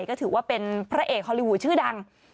ก็ถือว่าเป็นพระเอกฮอลลีวูดชื่อดัง